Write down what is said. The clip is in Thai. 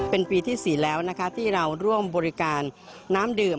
เป็นปีที่๔แล้วนะคะที่เราร่วมบริการน้ำดื่ม